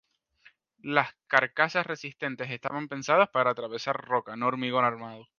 Las carcasas resistentes estaban pensadas para atravesar roca, no hormigón armado.